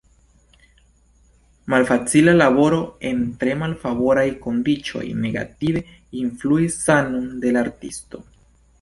Malfacila laboro en tre malfavoraj kondiĉoj negative influis sanon de la artisto.